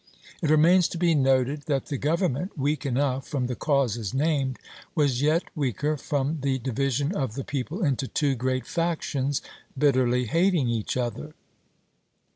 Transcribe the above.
It remains to be noted that the government, weak enough from the causes named, was yet weaker from the division of the people into two great factions bitterly hating each other.